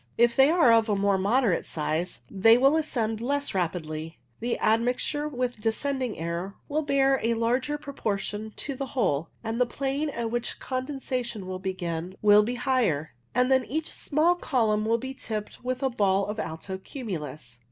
If they are of a more moderate size they will ascend less rapidly, the admixture with descending air will bear a larger proportion to the whole, and the plane at which condensation will begin will be higher, and then each small column will be tipped with a ball of alto cumulus.